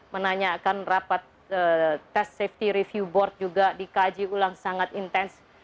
menanyakan rapat test safety review board juga dikaji ulang sangat intens